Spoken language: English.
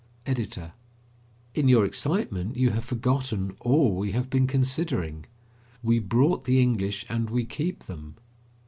EDITOR: In your excitement, you have forgotten all we have been considering. We brought the English, and we keep them.